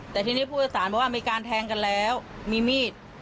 แต่ทีนี้ผู้โดยสารบอกว่ามีการแทงกันแล้วมีมีด